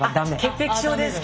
潔癖性ですか。